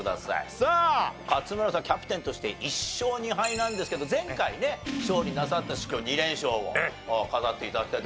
さあ勝村さんキャプテンとして１勝２敗なんですけど前回ね勝利なさったし今日２連勝を飾って頂きたいと。